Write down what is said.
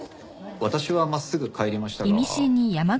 私は真っすぐ帰りましたが。